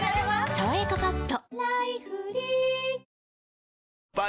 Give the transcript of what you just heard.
「さわやかパッド」